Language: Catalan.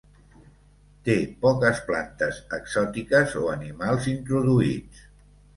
Té poques plantes exòtiques o animals introduïts.